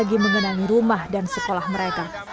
banjir tak lagi mengenali rumah dan sekolah mereka